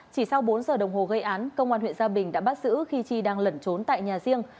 chỉ sau bốn giờ đồng hồ gây án công an huyện gia bình đã bắt giữ khi chi đang lẩn trốn tại nhà riêng